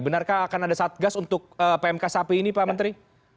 benarkah akan ada satgas untuk pmk sapi ini pak menteri